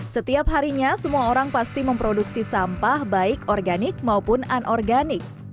setiap harinya semua orang pasti memproduksi sampah baik organik maupun anorganik